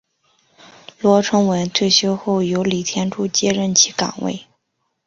罗崇文退休后由李天柱接任其岗位。